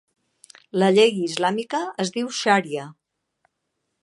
La llei islàmica es diu xaria.